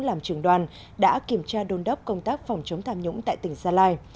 làm trường đoàn đã kiểm tra đôn đốc công tác phòng chống tham nhũng tại tỉnh gia lai